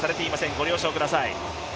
ご了承ください。